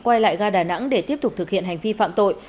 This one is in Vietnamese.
quay lại ga đà nẵng để tiếp tục thực hiện hành vi phạm tội